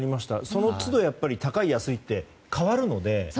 その都度高い安いって変わるので。